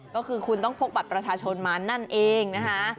ก็คือคุณต้องพกบัตรประชาชนมานั่นเองนะคะ